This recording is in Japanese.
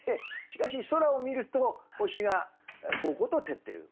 しかし空を見ると星がこうこうと照ってる。